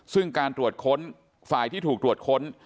ซึ่งการตรวจค้นฝ่ายที่ถูกตรวจค้น